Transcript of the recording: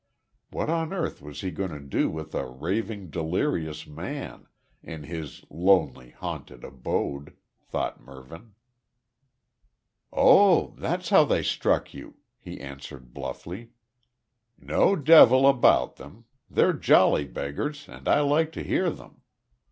What on earth was he going to do with a raving delirious man, in his lonely, haunted abode? thought Mervyn. "Oh, that's how they struck you!" he answered, bluffly. "No `devil' about them. They're jolly beggars and I like to hear them.